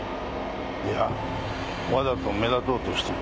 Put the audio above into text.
いやわざと目立とうとしている。